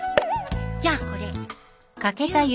じゃあこれ。